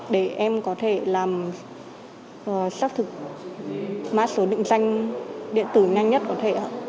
để em có thể làm xác thực mã số định danh điện tử nhanh nhất có thể